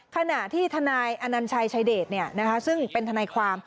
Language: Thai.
ขณะที่ทนายอนัญชัยชายเดชซึ่งเป็นทนายความ